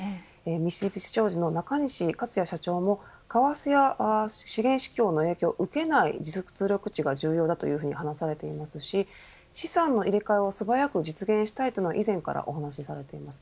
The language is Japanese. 三菱商事の中西勝也社長も為替や資源市況の影響を受けない実力値が重要だと話されていますし資産の入れ替えを素早く実現したいと以前からお話されています。